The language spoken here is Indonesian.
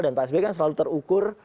dan pak sby kan selalu terukur